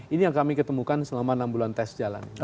ini yang kami ketemukan selama enam bulan tes jalan